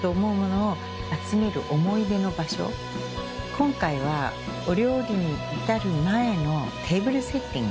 今回はお料理に至る前のテーブルセッティング。